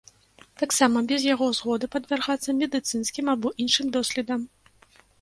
Таксама без яго згоды падвяргацца медыцынскім або іншым доследам.